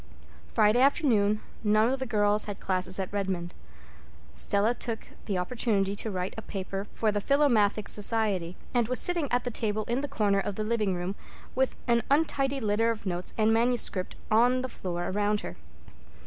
Friday afternoon none of the girls had classes at Redmond. Stella took the opportunity to write a paper for the Philomathic Society, and was sitting at the table in the corner of the living room with an untidy litter of notes and manuscript on the floor around her.